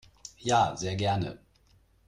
Ja, sehr gerne.